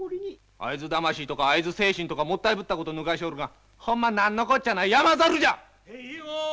会津魂とか会津精神とかもったいぶったこと抜かしよるがほんま何のこっちゃない山猿じゃ！